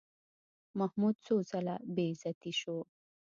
محمود څو ځله بېعزتي شو.